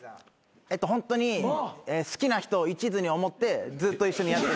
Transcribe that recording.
ホントに好きな人をいちずに思ってずっと一緒にやって。